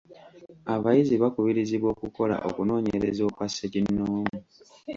Abayizi bakubirizibwa okukola okunoonyereza okwa ssekinnoomu.